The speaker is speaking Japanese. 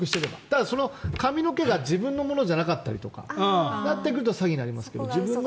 ただ、髪の毛が自分のものじゃなかったりとかになってくると詐欺になりますけど。